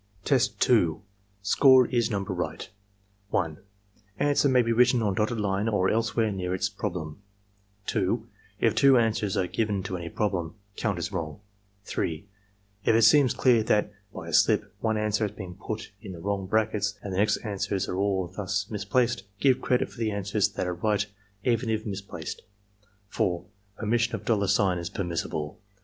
Testa (Score is number right.) 1. Answer may be written on dotted line or elsewhere near its problem. 68 ARMY MENTAL TESTS 2. If two answers are given to any problem, count as wrong. 3. If it seems clear that, by a slip, one answer has been put in the wrong brackets, and the next answers are all thus mis placed, give credit for the answers that are right even if mis placed. 4. Omission of dollar sign is permissible.